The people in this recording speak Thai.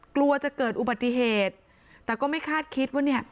กลัวจะเกิดอุบัติเหตุแต่ก็ไม่คาดคิดว่าเนี่ย